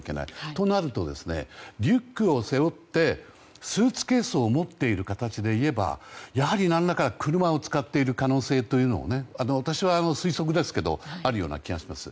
となると、リュックを背負ってスーツケースを持っている形でいればやはり、何らか車を使っている可能性というのがね推測ですがあるような気がします。